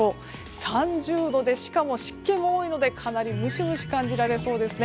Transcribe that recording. ３０度でしかも湿気も多いのでかなりムシムシと感じられそうです。